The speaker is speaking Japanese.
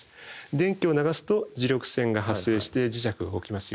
電気を流すと磁力線が発生して磁石が動きますよ。